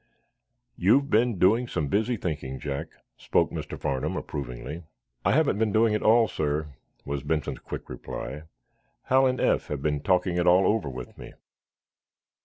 "You've been doing some busy thinking, Jack," spoke Mr. Farnum, approvingly. "I haven't been doing it all, sir," was Benson's quick reply. "Hal and Eph have been talking it all over with me."